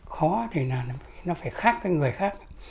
khó thì là nó phải khác cái người khác